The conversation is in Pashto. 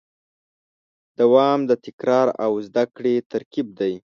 دوام د تکرار او زدهکړې ترکیب دی.